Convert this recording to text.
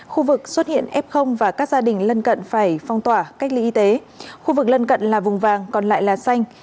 khu vực xuất hiện f và các gia đình lân cận phải phong tỏa cách ly y tế khu vực lân cận là vùng vàng còn lại là xanh